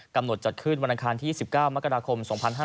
กำหนดจัดขึ้นวันอาคารที่๑๙มกราคม๒๕๖๒